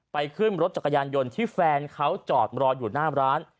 ขึ้นรถจักรยานยนต์ที่แฟนเขาจอดรออยู่หน้าร้าน